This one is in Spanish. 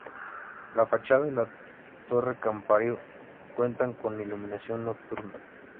La fachada y la torre-campanario cuentan con iluminación nocturna.